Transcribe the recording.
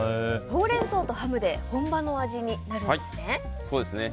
ほうれん草とハムで本場の味になるんですね。